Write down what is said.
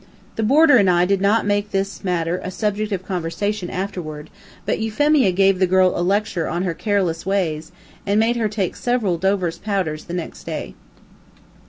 The boarder and I did not make this matter a subject of conversation afterward, but Euphemia gave the girl a lecture on her careless ways, and made her take several Dover's powders the next day.